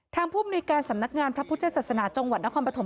ผู้มนุยการสำนักงานพระพุทธศาสนาจังหวัดนครปฐม